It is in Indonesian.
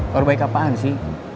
kabar baik apaan sih